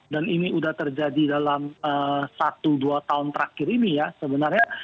dan ini udah terjadi dalam satu dua tahun terakhir ini ya sebenarnya